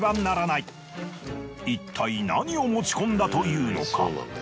いったい何を持ち込んだというのか。